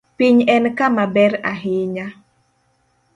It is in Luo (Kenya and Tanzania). Piny en kama ber ahinya.